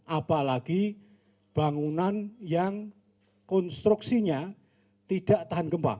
apalagi bangunan yang konstruksinya tidak tahan gempa